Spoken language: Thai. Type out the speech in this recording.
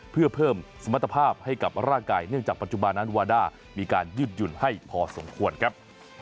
เพื่อเพิ่มสมรรถภาพให้กับร่างกายเนื่องจากปัจจุบันนั้นวาด้ามีการยืดหยุ่นให้พอสมควรครับ